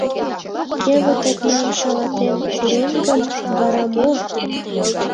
Кевыт окнам шалатен пурен гын, вара мо?